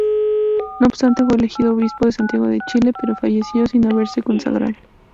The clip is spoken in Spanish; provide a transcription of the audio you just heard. No obstante fue elegido obispo de Santiago de Chile, pero falleció sin haberse consagrado.